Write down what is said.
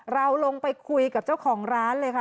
เราลงไปคุยกับเจ้าของร้านเลยค่ะ